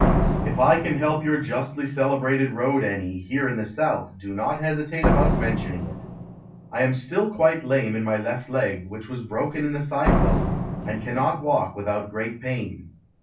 If I can help your justly celebrated road any here in the South do not hesitate about mentioning it. I am still quite lame in my left leg, which was broken in the cyclone, and cannot walk without great pain.